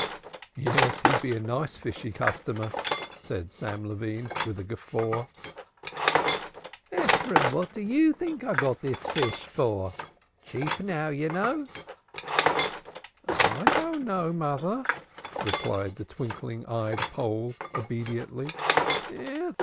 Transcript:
"Yes, he'd be a nice fishy customer!" said Sam Levine with a guffaw. "Ephraim, what think you I got this fish for? Cheap now, you know?" "I don't know, mother," replied the twinkling eyed Pole obediently.